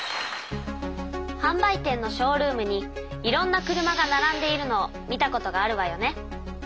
はん売店のショールームにいろんな車がならんでいるのを見たことがあるわよね。